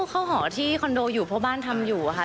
เข้าหอที่คอนโดอยู่เพราะบ้านทำอยู่ค่ะ